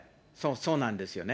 そうなんですよね。